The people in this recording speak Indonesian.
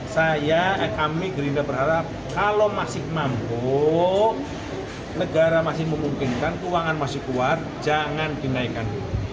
saya kami gerindra berharap kalau masih mampu negara masih memungkinkan keuangan masih kuat jangan dinaikkan